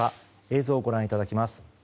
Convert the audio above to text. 映像をご覧いただきます。